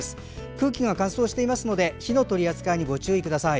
空気が乾燥していますので火の取り扱いにご注意ください。